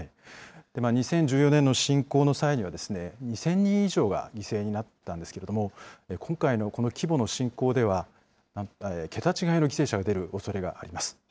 ２０１４年の侵攻の際には、２０００人以上が犠牲になったんですけれども、今回のこの規模の侵攻では、桁違いの犠牲者が出るおそれがあります。